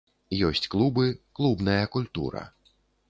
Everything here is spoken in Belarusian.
Ёсць клубы, клубная культура.